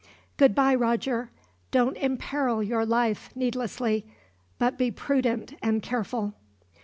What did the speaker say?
Goodbye, Roger! Don't imperil your life needlessly, but be prudent and careful."